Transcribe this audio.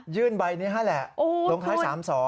ยื่นใบนี้แหละตรงท้ายตรง๓๒